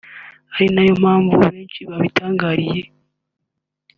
ari nay o mpamvu benshi babitangariye